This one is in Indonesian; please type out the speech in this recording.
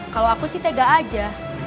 kalau aku sih tega aja